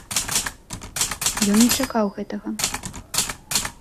Ён не чакаў гэтага.